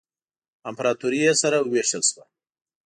امپراطوري یې سره ووېشل شوه.